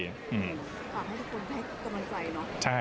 ฝากให้ทุกคนให้กัมมันใจเนอะ